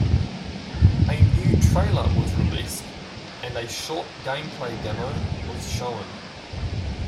A new trailer was released and a short gameplay demo was shown.